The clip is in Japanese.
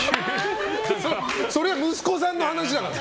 そりゃ息子さんの話だから！